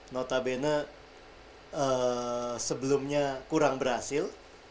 notabene sebelumnya kurang berhasil